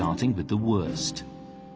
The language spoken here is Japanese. どうして？